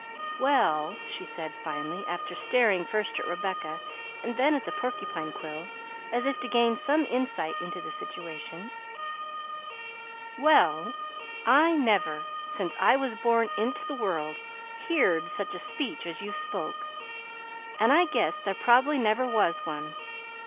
"Well," she said finally, after staring first at Rebecca and then at the porcupine quills, as if to gain some insight into the situation, "well, I never, sence I was born int' the world, heerd such a speech as you've spoke, an' I guess there probably never was one.